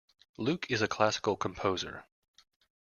Luke is a classical composer.